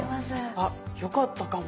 あよかったかも。